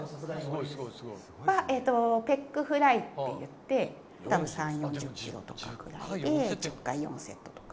ペックフライって言って、たぶん３０４０キロとか、１０回４セットとか。